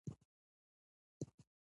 پر مسلمانانو یووالی فرض دی.